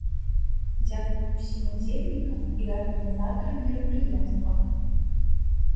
Дзякуй усім удзельнікам і арганізатарам мерапрыемства!